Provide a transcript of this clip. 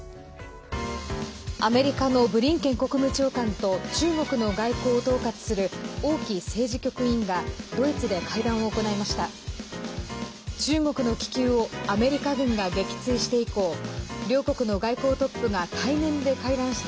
アメリカのブリンケン国務長官と中国の外交を統括する王毅政治局委員がドイツで会談を行いました。